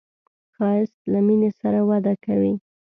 ښایست له مینې سره وده کوي